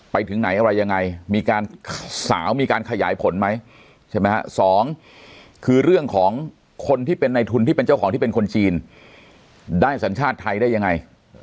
ไปถึงไหนอะไรยังไงมีการสาวมีการขยายผลไหมใช่ไหมฮะสองคือเรื่องของคนที่เป็นในทุนที่เป็นเจ้าของที่เป็นคนจีนได้สัญชาติไทยได้ยังไง